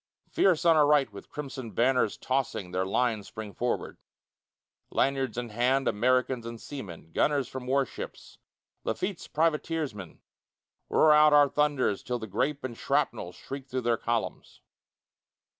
Fierce on our right with crimson banners tossing Their lines spring forward. Lanyards in hand, Americans and seamen, Gunners from warships, Lafitte's privateers men, Roar out our thunders till the grape and shrapnel Shriek through their columns.